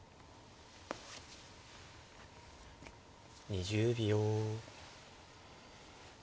２０秒。